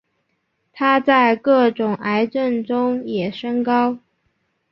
它在各种癌症中也升高。